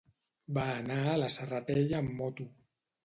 Va anar a la Serratella amb moto.